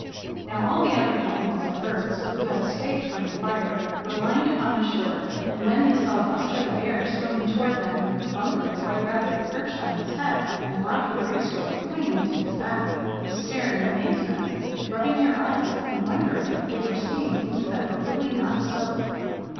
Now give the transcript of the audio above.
Now all the other animals and birds who had escaped from the fire were lined upon the shore, and when they saw Buster the Bear swimming toward them with Bumper the White Rabbit perched on his head and Bobby Gray Squirrel clinging to his back they stared in amazement, rubbing their eyes, and wondering if they were seeing things that were really not so.